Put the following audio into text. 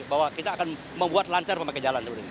bahwa kita akan membuat lancar pemakai jalan sebenarnya